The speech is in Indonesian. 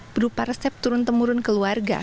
berupa resep turun temurun keluarga